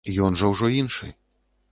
Ён жа ўжо іншы.